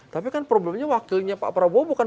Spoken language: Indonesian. tapi kan problemnya wakilnya pak prabowo bukan